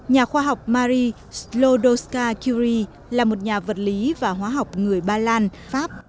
nhà khoa học marie slodowska curie là một nhà vật lý và hóa học người ba lan pháp